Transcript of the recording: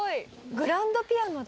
グランドピアノだ。